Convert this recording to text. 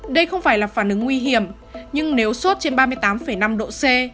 đây không phải là phản ứng nguy hiểm nhưng nếu sốt trên ba mươi tám năm độ c